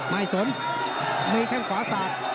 นายเสวนไม่เข้าขวาสะ